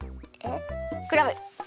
クラム！